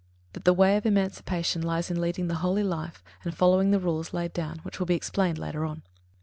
That the way of emancipation lies in leading the holy life and following the rules laid down, which will be explained later on.